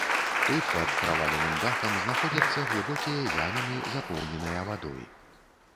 Тут пад праваленым дахам знаходзяцца глыбокія яміны, запоўненыя вадой.